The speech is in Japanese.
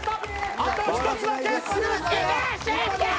あと１つだけ。